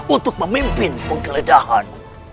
untuk memimpin penggeledahan